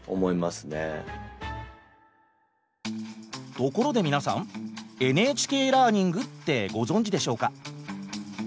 ところで皆さんＮＨＫラーニングってご存じでしょうか？